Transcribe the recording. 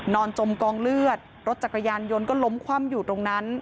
จมกองเลือดรถจักรยานยนต์ก็ล้มคว่ำอยู่ตรงนั้น